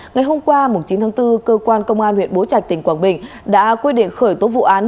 ngày hôm qua chín tháng bốn cơ quan công an huyện bố trạch tỉnh quảng bình đã quyết định khởi tố vụ án